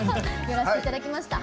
寄らせていただきました。